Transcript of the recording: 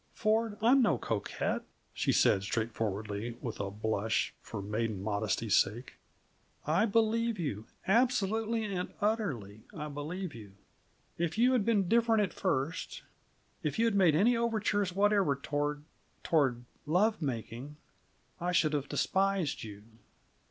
"Ford, I'm no coquette," she said straightforwardly, with a blush for maiden modesty's sake. "I believe you; absolutely and utterly I believe you. If you had been different at first if you had made any overtures whatever toward toward lovemaking, I should have despised you.